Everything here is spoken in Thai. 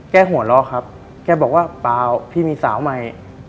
หัวเราะครับแกบอกว่าเปล่าพี่มีสาวใหม่